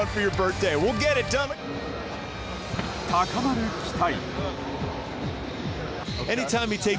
高まる期待。